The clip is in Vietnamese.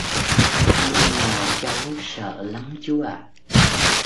Nhưng mà Cháu sợ lắm chú ạ